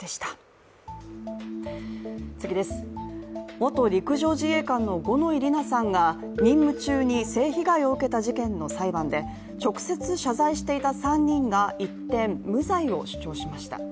元陸上自衛官の五ノ井里奈さんが任務中に性被害を受けた事件の裁判で、直接謝罪していた３人が一転、無罪を主張しました。